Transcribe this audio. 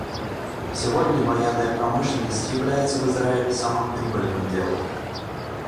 Сегодня военная промышленность является в Израиле самым прибыльным делом.